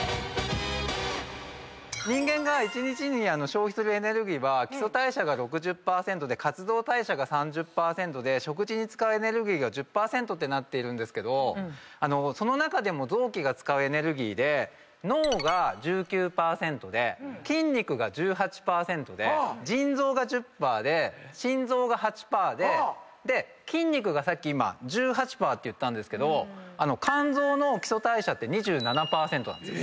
人間が１日に消費するエネルギーは基礎代謝が６０％で活動代謝が３０％で食事に使うエネルギーが１０％ってなっているんですけどその中でも臓器が使うエネルギーで脳が１９％で筋肉が１８％で腎臓が１０％で心臓が８％で筋肉がさっき１８％って言ったんですけど肝臓の基礎代謝２７％なんですよ。